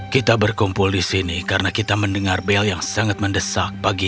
kita berkumpul di sini karena kita mendengar bel yang sangat mendesak pada kuda itu